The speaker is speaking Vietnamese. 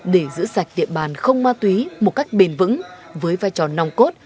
để giữ sạch địa bàn không ma túy một cách bền vững với vai trò nòng cốt